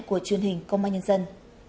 của truyền hình công an nhân dân